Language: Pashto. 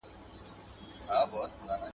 پردى غم، نيم اختر دئ.